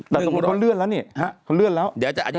แต่สมมติเขาเลื่อนแล้วเนี่ยเขาเลื่อนแล้ว